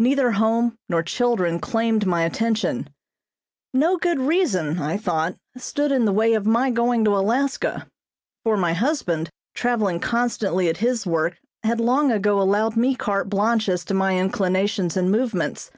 Neither home nor children claimed my attention. No good reason, I thought, stood in the way of my going to Alaska; for my husband, traveling constantly at his work had long ago allowed me carte blanche as to my inclinations and movements.